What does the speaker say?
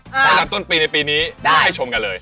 จากต้นปีในปีนี้เราให้ชมกันเลย